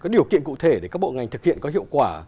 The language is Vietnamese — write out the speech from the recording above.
điều kiện cụ thể để các bộ ngành thực hiện có hiệu quả